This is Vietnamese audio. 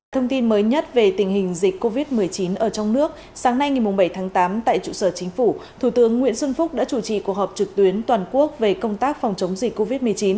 thông tin mới nhất về tình hình dịch covid một mươi chín ở trong nước sáng nay ngày bảy tháng tám tại trụ sở chính phủ thủ tướng nguyễn xuân phúc đã chủ trì cuộc họp trực tuyến toàn quốc về công tác phòng chống dịch covid một mươi chín